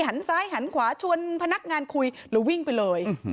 หันซ้ายหันขวาชวนพนักงานคุยหรือวิ่งไปเลย